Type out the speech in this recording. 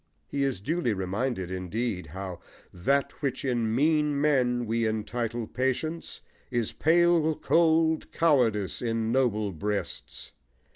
He is duly reminded, indeed, how That which in mean men we entitle patience Is pale cold cowardice in noble breasts.